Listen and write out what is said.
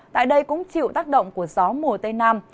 tại đây cũng chịu tác động của gió mùa tây nam